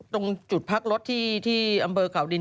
ตรงจุดพักรถที่อำเภอเก่าดิน